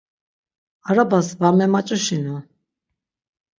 Arabas var memaç̌uşinu.